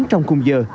trong cùng giờ